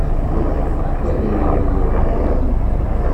Adrim yuɣ meṛṛa medden.